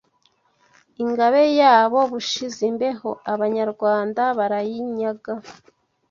Ingabe yabo Bushizimbeho Abanyarwanda barayinyaga